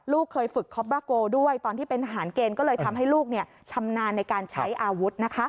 เคยฝึกคอปราโกด้วยตอนที่เป็นทหารเกณฑ์ก็เลยทำให้ลูกชำนาญในการใช้อาวุธนะคะ